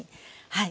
はい。